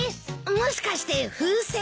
もしかして風船？